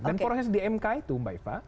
dan proses dmk itu mbak eva